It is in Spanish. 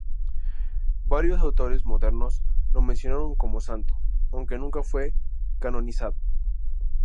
Varios autores modernos lo mencionaron como santo, aunque nunca fue canonizado.